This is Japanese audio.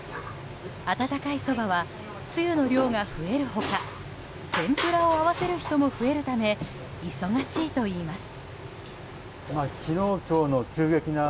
温かいそばはつゆの量が増える他天ぷらを合わせる人も増えるため忙しいと言います。